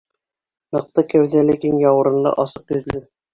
Мыҡты кәүҙәле, киң яурынлы, асыҡ йөҙлө.